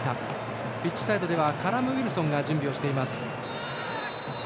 ピッチサイドでカラム・ウィルソンが準備しています。